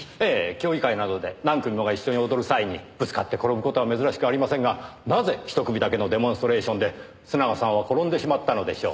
競技会などで何組もが一緒に踊る際にぶつかって転ぶ事は珍しくありませんがなぜ一組だけのデモンストレーションで須永さんは転んでしまったのでしょう？